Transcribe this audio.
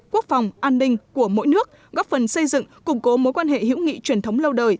quốc phòng an ninh của mỗi nước góp phần xây dựng củng cố mối quan hệ hữu nghị truyền thống lâu đời